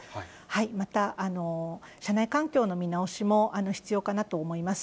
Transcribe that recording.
また、社内環境の見直しも必要かなと思います。